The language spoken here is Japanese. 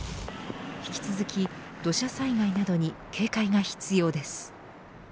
引き続き、土砂災害などに警戒が必要です。